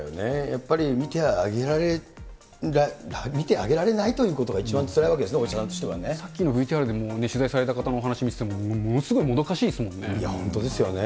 やっぱり診てあげられないということが一番つらいわけですね、お医者さんとしては。さっきのＶＴＲでも取材されたお医者さんの話を見てもものすいや、本当ですよね。